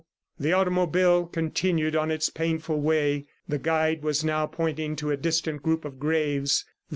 The automobile continued on its painful way. The guide was now pointing to a distant group of graves.